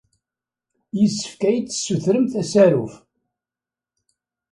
Yessefk ad iyi-d-tessutremt asaruf.